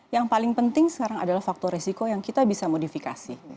yang paling penting sekarang adalah faktor resiko yang kita bisa modifikasi